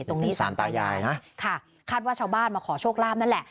ตรงนี้สารตายายนะค่ะคาดว่าชาวบ้านมาขอโชคลาภนั่นแหละ